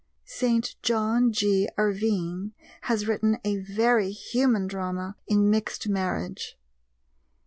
St. John G. Ervine has written a very human drama in Mixed Marriage.